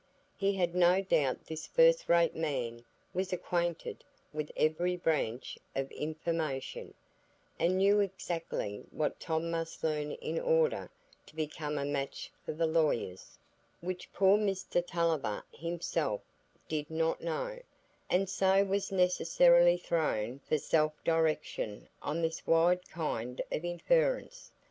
He had no doubt this first rate man was acquainted with every branch of information, and knew exactly what Tom must learn in order to become a match for the lawyers, which poor Mr Tulliver himself did not know, and so was necessarily thrown for self direction on this wide kind of inference.